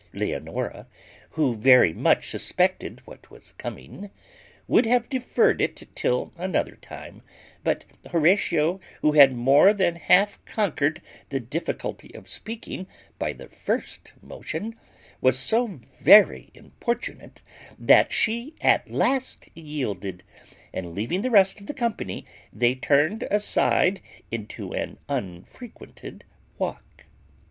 Leonora, who very much suspected what was coming, would have deferred it till another time; but Horatio, who had more than half conquered the difficulty of speaking by the first motion, was so very importunate, that she at last yielded, and, leaving the rest of the company, they turned aside into an unfrequented walk.